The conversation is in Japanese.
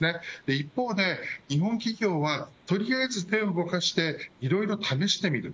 一方で日本企業は取りあえず手を動かしていろいろ試してみる。